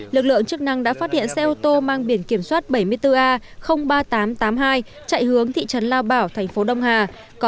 lực lượng chức năng đã phát hiện xe ô tô mang biển kiểm soát bảy mươi bốn a ba nghìn tám trăm tám mươi hai chạy hướng thị trấn lao bảo thành phố đông hà